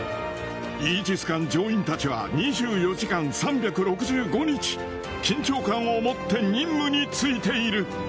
イージス艦乗員たちは、２４時間３６５日、緊張感を持って任務に就いている。